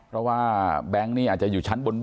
เพราะว่าแบงค์นี่อาจจะอยู่ชั้นบน